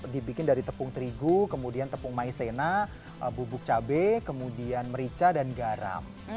dibikin dari tepung terigu kemudian tepung maizena bubuk cabai kemudian merica dan garam